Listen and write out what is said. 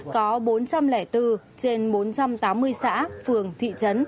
có bốn trăm linh bốn trên bốn trăm tám mươi xã phường thị trấn